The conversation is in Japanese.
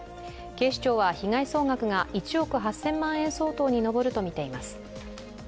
警視庁は被害総額が１億８０００万円相当に上るとみています。